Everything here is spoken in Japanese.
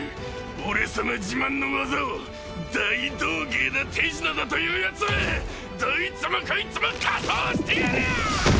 俺さま自慢の技を大道芸だ手品だというやつはどいつもこいつも火葬してやる！